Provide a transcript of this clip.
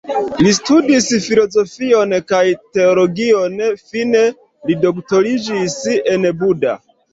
Li studis filozofion kaj teologion, fine li doktoriĝis en Buda.